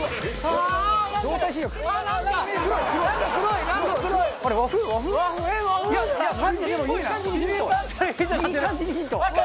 いい感じにヒント。